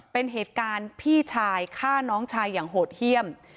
เป็นเหตุการณ์พี่ชายฆ่าน้องชายอย่างโหดเยี่ยม